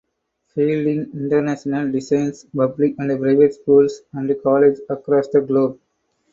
Fielding International designs public and private schools and colleges across the globe.